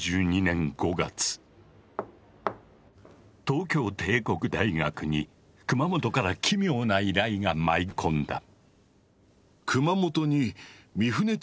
東京帝国大学に熊本から奇妙な依頼が舞い込んだ。